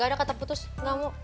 gak ada kata putus gak mau